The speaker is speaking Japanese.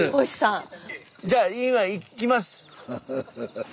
じゃあ今行きます。